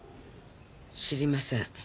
知りません。